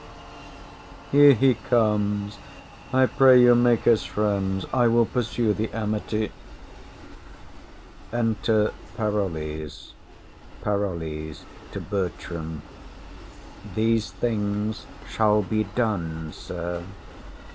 Here he comes; I pray you make us friends; I will pursue the amity. Enter Parolles. PAROLLES. [To Bertram.] These things shall be done, sir.